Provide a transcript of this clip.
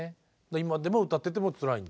今でも歌っててもつらいんだ。